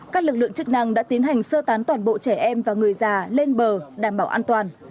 các lực lượng chức năng đã tiến hành sơ tán toàn bộ trẻ em và người già lên bờ đảm bảo an toàn